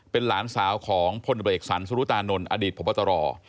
เป็นหลานสาวของพลเอกสรรสุรุตานนทอดีตพบตร